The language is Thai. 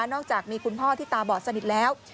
อกจากมีคุณพ่อที่ตาบอดสนิทแล้ว